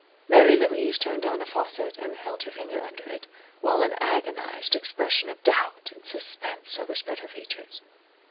Mary Louise turned on a faucet and held her finger under it, while an agonized expression of doubt and suspense overspread her features.